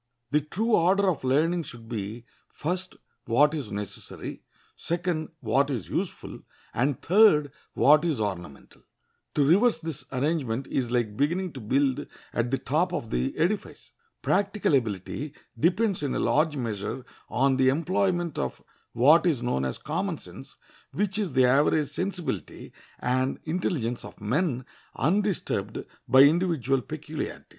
The true order of learning should be, first, what is necessary; second, what is useful; and third, what is ornamental. To reverse this arrangement is like beginning to build at the top of the edifice. Practical ability depends in a large measure on the employment of what is known as common sense, which is the average sensibility and intelligence of men undisturbed by individual peculiarities.